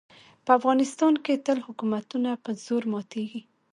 په افغانستان کې تل حکومتونه په زور ماتېږي.